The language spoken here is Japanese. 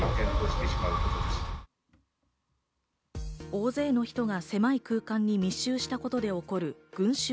大勢の人が狭い空間に密集したことで起こる群集